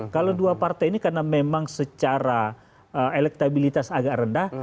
kalau dua partai ini karena memang secara elektabilitas agak rendah